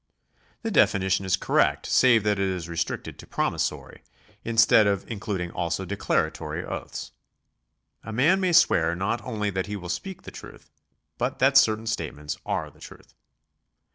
The definition is correct save that it is restricted to pro missory, instead of including also declaratory oaths. A man may swear not only that he will speak the truth, but that certain statements are the truth.